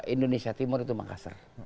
indonesia timur itu makassar